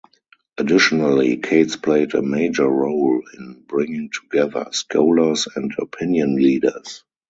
Additionally, Kates played a major role in bringing together scholars and opinion leaders.